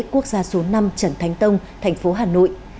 quốc gia số năm trần thánh tông thành phố hà nội